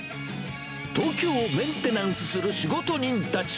東京をメンテナンスする仕事人たち。